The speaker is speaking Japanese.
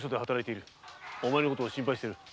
お前のことを心配している。